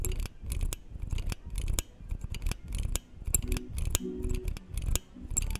Es una de las pocas estructuras sobrevivientes del ex Hospital San Vicente de Paul.